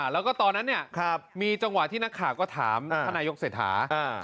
แล้วก็ตอนนั้นเนี่ยมีจังหวะที่นักข่าวก็ถามท่านนายกเศรษฐา